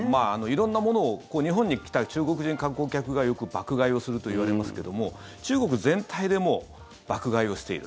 色んなものを日本に来た中国人観光客がよく爆買いをするといわれますけれども中国全体でも爆買いをしている。